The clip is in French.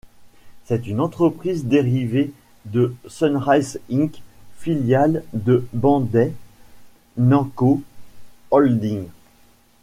C'est une entreprise dérivée de Sunrise Inc., filiale de Bandai Namco Holdings.